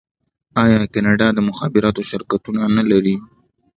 آیا کاناډا د مخابراتو شرکتونه نلري؟